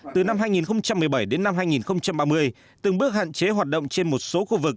từ năm hai nghìn một mươi bảy đến năm hai nghìn ba mươi từng bước hạn chế hoạt động trên một số khu vực